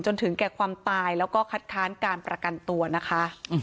จนถึงแก่ความตายแล้วก็คัดค้านการประกันตัวนะคะ